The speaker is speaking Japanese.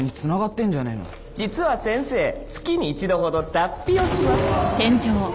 実は先生月に一度ほど脱皮をしますおおっ！